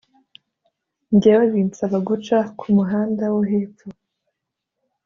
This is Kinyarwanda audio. Njyewe binsaba guca ku muhanda wo hepfo